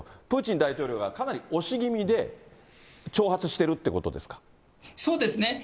プーチン大統領がかなり押し気味で、挑発しているということですそうですね。